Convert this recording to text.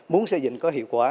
muốn xây dựng có hiệu quả